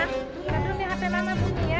tapi belum di hape mama bunyi ya